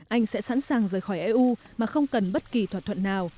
anh sẽ sẵn sàng rời khỏi eu mà không cần bất kỳ thỏa thuận nào